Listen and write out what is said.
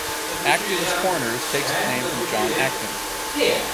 Actons Corners takes its name from John Acton.